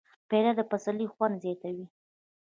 پیاله د پسرلي خوند زیاتوي.